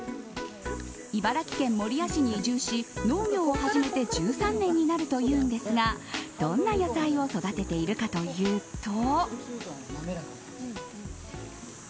茨城県守谷市に移住し農業を始めて１３年になるというんですがどんな野菜を育てているかというと。